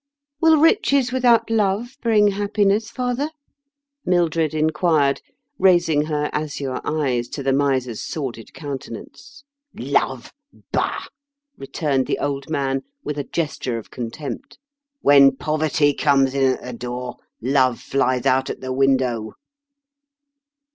" Will riches without love bring happiness, father?" Mildred inquired, raising her azure eyes to the miser's sordid countenance. " Love ! Bah !" returned the old man with a gesture of contempt. " When poverty comes in at the door, love flies out at the window."